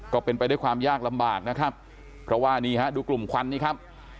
ก็เป็นไปด้วยความยากลำบากนะครับเพราะว่านี่ฮะดูกลุ่มควันนี่ครับ